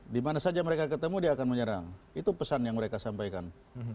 dimana saja mereka ketemu dia akan menyerang itu pesan yang mereka sampaikan